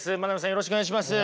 よろしくお願いします。